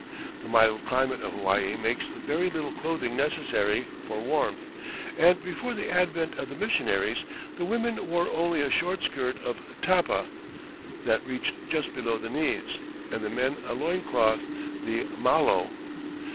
The mild climate of Hawaii makes very little clothing necessary for warmth, and before the advent of the missionaries the women wore only a short skirt of tapa that reached just below the knees, and the men a loin cloth, the malo.